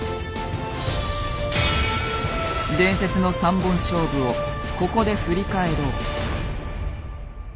伝説の３本勝負をここで振り返ろう。